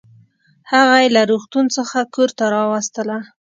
هغه يې له روغتون څخه کورته راوستله